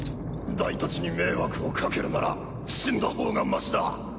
ダイたちに迷惑をかけるなら死んだほうがマシだ！